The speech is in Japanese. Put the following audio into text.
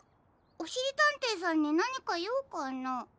おしりたんていさんになにかようかな？